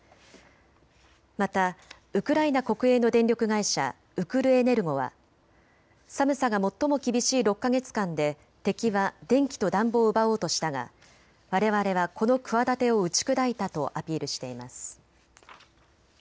またウクライナ国営の電力会社ウクルエネルゴは寒さが最も厳しい６か月間で敵は電気と暖房を奪おうとしたがわれわれはこの企てを打ち砕いたとアピールしています。